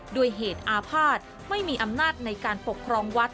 ด้วยเหตุอาภาษณ์ไม่มีอำนาจในการปกครองวัด